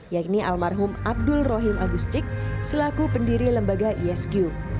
yakni almarhum abdul rohim agustik selaku pendiri lembaga isq